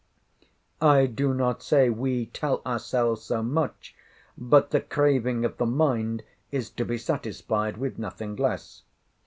I do not say we, tell ourselves so much, but the craving of the mind is to be satisfied with nothing less.